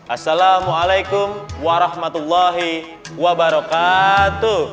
assalamualaikum warahmatullahi wabarakatuh